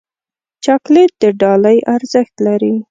چاکلېټ د ډالۍ ارزښت لري.